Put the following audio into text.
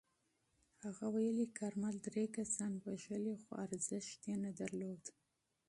هغه ویلي، کارمل درې کسان وژلي خو ارزښت نه یې درلود.